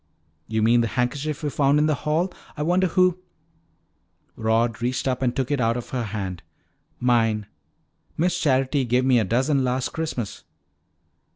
"You mean the handkerchief we found in the hall? I wonder who " Rod reached up and took it out of her hand. "Mine. Miss Charity gave me a dozen last Christmas."